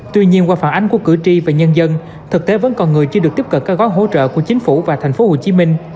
tuy nhiên qua phản ánh của cử tri và nhân dân thực tế vẫn còn người chưa được tiếp cận các gói hỗ trợ của chính phủ và tp hcm